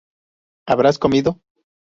Habrás comido